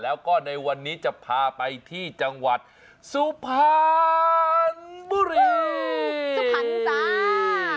แล้วก็ในวันนี้จะพาไปที่จังหวัดสุพันบุรี